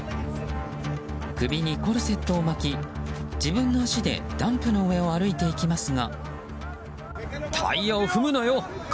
首にコルセットを巻き自分の足でダンプの上を歩いていきますが。